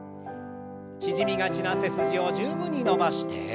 縮みがちな背筋を十分に伸ばして。